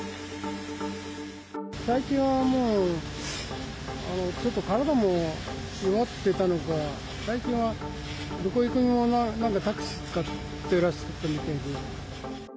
最近はもう、ちょっと体も弱ってたのか、最近はどこに行くにもタクシー使ってらしたみたいで。